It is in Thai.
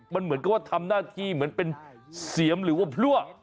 มันเหมือนกับว่าทำหน้าที่เหมือนเป็นเสียมหรือว่าพลั่ว